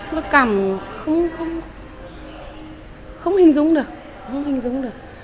nó cảm không hình dung được